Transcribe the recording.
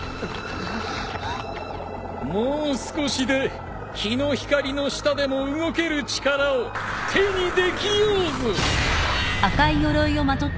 もう少しで日の光の下でも動ける力を手にできようぞ。